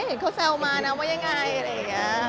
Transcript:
เห็นเขาแซวมานะว่ายังไงอะไรอย่างนี้